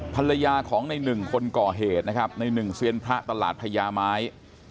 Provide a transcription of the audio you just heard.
ภรรยาของในหนึ่งคนก่อเหตุนะครับในหนึ่งเซียนพระตลาดพญาไม้